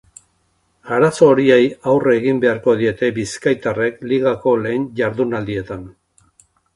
Arazo horiei aurre egin beharko diete bizkaitarrek ligako lehen jardunaldietan.